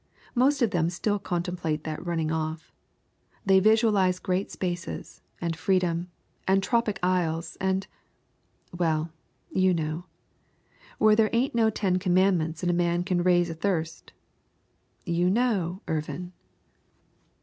Most of them still contemplate that running off. They visualize great spaces, and freedom, and tropic isles, and well, you know. "Where there ain't no Ten Commandments and a man can raise a thirst." (You know, Irvin!)